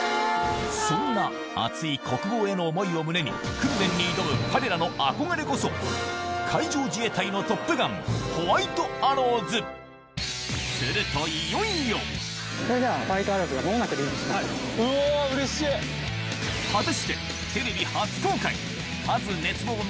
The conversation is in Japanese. そんな熱い国防への思いを胸に訓練に挑む彼らの憧れこそ海上自衛隊のトップガンホワイトアローズすると果たしてカズ熱望の